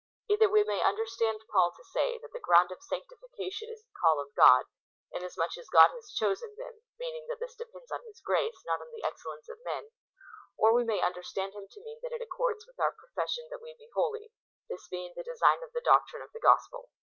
Either we may understand Paul to say, that the ground of sanctification is the call of God, inasmuch as God has chosen them ; mean ing, that this depends on his grace, not on the excellence of men ; or Ave may understand him to mean, that it accords with our profession that we be hoi}' , this being the design of the doctrine of the gospel.